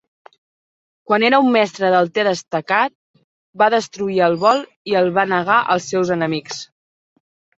Quan era un mestre del te destacat, va destruir el bol i el va negar als seus enemics.